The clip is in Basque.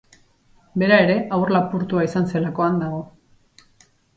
Bera ere, haur lapurtua izan zelakoan dago.